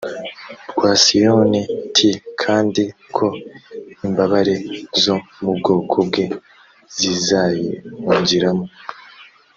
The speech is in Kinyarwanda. rwa siyoni t kandi ko imbabare zo mu bwoko bwe zizayihungiramo